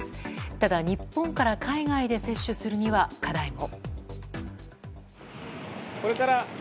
ただ日本から海外で接種するには課題も。